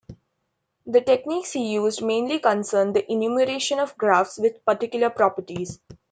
The techniques he used mainly concern the enumeration of graphs with particular properties.